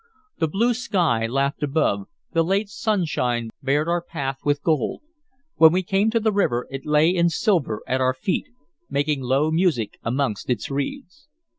The blue sky laughed above, the late sunshine barred our path with gold. When we came to the river it lay in silver at our feet, making low music amongst its reeds.